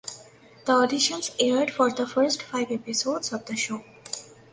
The auditions aired for the first five episodes of the show.